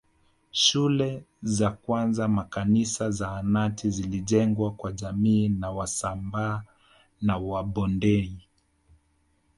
Shule za kwanza makanisa zahanati zilijengwa kwa jamii za wasambaa na wabondei